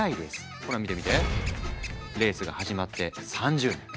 ほら見て見てレースが始まって３０年。